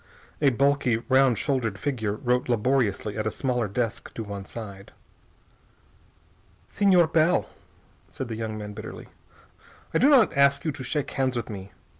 A bulky, round shouldered figure wrote laboriously at a smaller desk to one side. "Señor Bell," said the young man bitterly, "I do not ask you to shake hands with me.